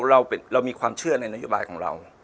เรามีความเชื่อในนโยบายของเรา